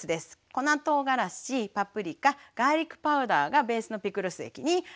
粉とうがらしパプリカガーリックパウダーがベースのピクルス液に入ってる。